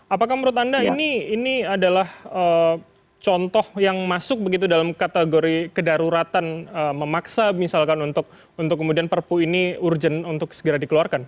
apakah menurut anda ini adalah contoh yang masuk begitu dalam kategori kedaruratan memaksa misalkan untuk kemudian perpu ini urgent untuk segera dikeluarkan